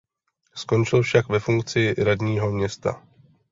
Skončil však ve funkci radního města.